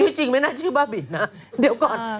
จริงไม่น่าชื่อบ้าบินนะเดี๋ยวก่อน